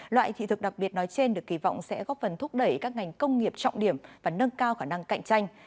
loại thị thực đặc biệt nói trên được kỳ vọng sẽ góp phần thúc đẩy các ngành công nghiệp trọng điểm và nâng cao khả năng cạnh tranh